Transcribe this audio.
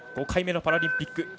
５回目のパラリンピック。